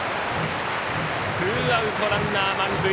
ツーアウト、ランナー満塁。